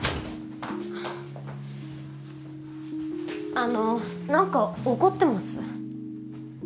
あの何か怒ってます？